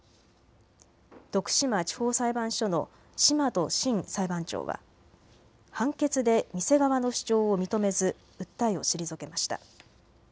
徳島地方裁判所の島戸真裁判長は判決で店側の主張を認めず訴えを退けました。